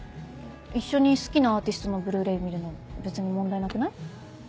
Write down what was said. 一緒に好きなアーティストのＢｌｕ−ｒａｙ見るの別に問題なくない？